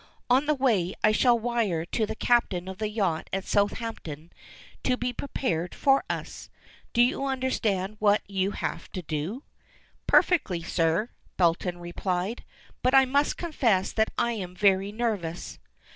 On the way I shall wire to the captain of the yacht at Southampton to be prepared for us. Do you understand what you have to do?" "Perfectly, sir," Belton replied. "But I must confess that I am very nervous."